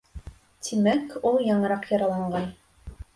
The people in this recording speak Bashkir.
Тимәк, ул яңыраҡ яраланған.